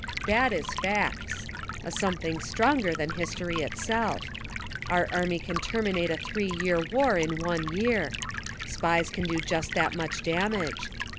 That is facts: A something stronger than history itself. Our army can 14 SPY PROOF AMERICA terminate a three year war in one year. Spies can do just that much damage.